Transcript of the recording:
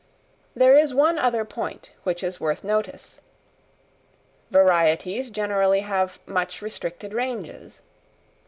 There is one other point which is worth notice. Varieties generally have much restricted ranges.